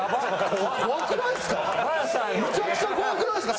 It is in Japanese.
怖くないですか？